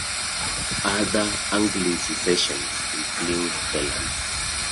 Other anglicisations include Phelan.